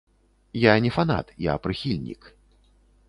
Я не фанат, я прыхільнік.